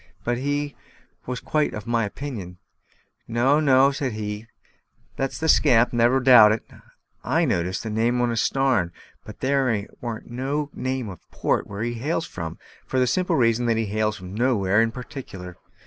But he was quite of my opinion. "No, no," said he, "that's the scamp, never a doubt of it. I noticed the name on his starn; but there warn't no name of a port where he hails from, for the simple reason that he hails from nowhere in particular.